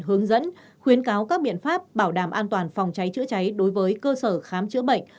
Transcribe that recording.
hướng dẫn khuyến cáo các biện pháp bảo đảm an toàn phòng cháy chữa cháy đối với cơ sở khám chữa bệnh